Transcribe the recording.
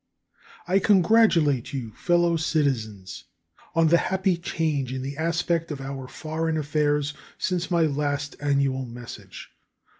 I congratulate you, fellow citizens, on the happy change in the aspect of our foreign affairs since my last annual message.